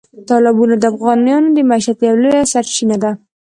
تالابونه د افغانانو د معیشت یوه لویه سرچینه ده.